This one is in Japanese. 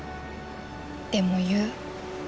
でも言う。